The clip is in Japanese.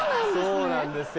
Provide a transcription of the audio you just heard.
そうなんですよ。